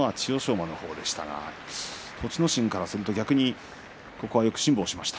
馬の方でしたが栃ノ心からすると逆によく辛抱しました。